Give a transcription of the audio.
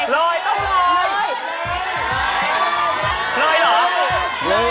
เราลอยตรงนั้น